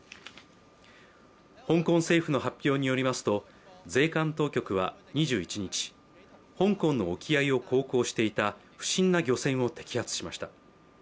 香港政府の発表によりますと、税関当局は２１日、香港の沖合を航行していた不審な漁船を摘発しました。